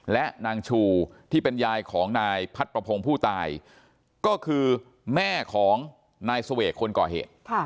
และนางชูที่เป็นยายของนายพัดประพงศ์ผู้ตายก็คือแม่ของนายเสวกคนก่อเหตุ